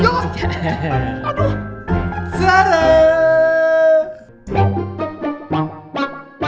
ini kok suaranya